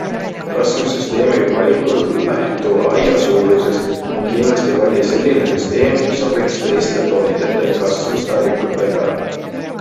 Kastmissüsteemi valikul lähtu aia suurusest ning kindlasti vali selline süsteem, mis sobiks teiste tootjate kastmistarvikutega.